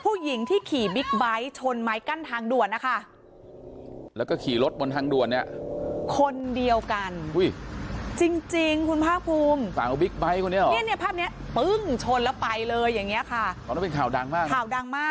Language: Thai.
ผู้หญิงที่ขี่บิ๊กใบท์ชนม้ายกั้นทางด่วนนะคะ